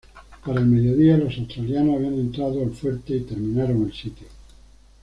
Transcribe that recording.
Para el mediodía, los australianos habían entrado al fuerte y terminaron el sitio.